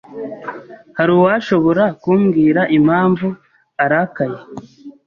Hari uwashobora kumbwira impamvu arakaye?